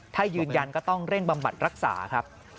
ถ้ายืนยันก็ต้องเร่งบำบัดรักษาครับ